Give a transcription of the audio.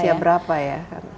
usia berapa ya kan